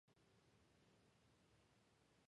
カナリア諸島州の州都はサンタ・クルス・デ・テネリフェである